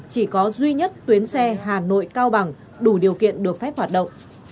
chỉ có duy nhất tuyến xe hà nội cao bằng đủ điều kiện được phép hoạt động